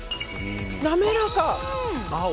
滑らか。